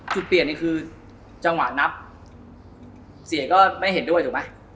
จุดเปลี่ยนนี่คือจังหวะนับเสียก็ไม่เห็นด้วยถูกไหม